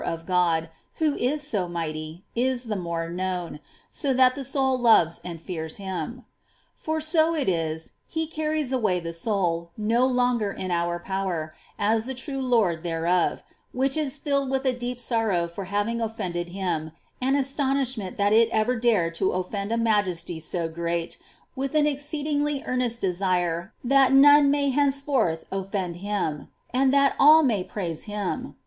425 God, who is so mighty, is the more known, so that the soul loves and fears Him. For so it is, He carries away the soul, no longer in our power, as the true Lord thereof, which is filled with a deep sorrow for having offended Him, and astonishment that it ever dared to oftend a Majesty so great, with an exceedingly earnest desire that none may henceforth ofiPend Him, and that all may praise Him.